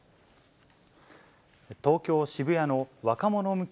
東京・渋谷の若者向け